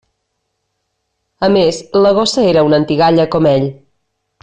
A més, la gossa era una antigalla com ell.